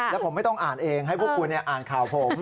แล้วผมไม่ต้องอ่านเองให้พวกคุณอ่านข่าวผม